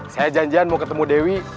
saya janjian mau ketemu dewi